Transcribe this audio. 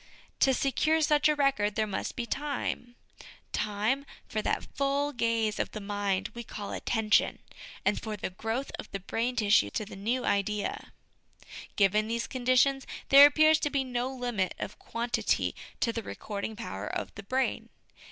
To secure such a record, there must be time; time for that full gaze of the mind we call attention , and for the growth of the brain tissue to the new idea. Given these conditions, there appears to be no limit of quantity to the recording power of the brain.